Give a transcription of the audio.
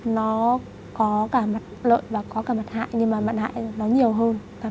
nó có cả mặt lợi và có cả mặt hại nhưng mà mặt hại nó nhiều hơn là mặt lợi